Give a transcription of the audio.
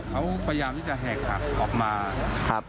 เขาพยายามที่จะแหกหักออกมาครับ